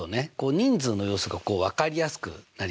人数の様子が分かりやすくなりますね。